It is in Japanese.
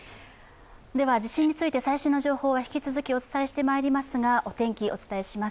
地震について最新の情報は引き続きお伝えしてまいりますが、お天気お伝えします。